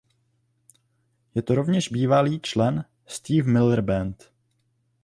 Je to rovněž bývalý člen Steve Miller Band.